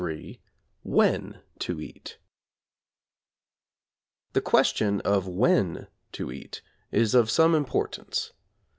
] III WHEN TO EAT The question of when to eat is of some importance.